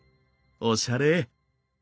おしゃれ！